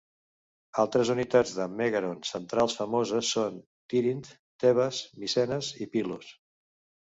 Altres unitats de mègaron centrals famoses són a Tirint, Tebes, Micenes i Pilos.